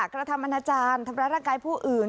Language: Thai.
กระทำมนาจารย์ธรรมรักกายผู้อื่น